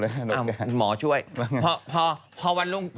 แล้วก็คุยเรื่องนี้